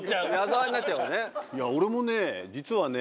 俺もね実はね